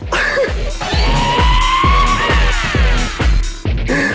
ปุ่น